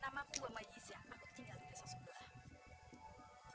namaku omayi siak aku kecinggal di desa sebelah